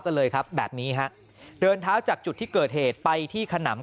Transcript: กันเลยครับแบบนี้ฮะเดินเท้าจากจุดที่เกิดเหตุไปที่ขนำ